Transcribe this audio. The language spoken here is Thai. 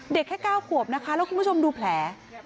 เด็กแค่เก้าขวบนะคะแล้วคุณผู้ชมดูแผล